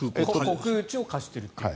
国有地を貸していると。